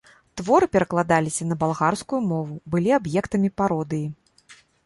Творы перакладаліся на балгарскую мову, былі аб'ектамі пародыі.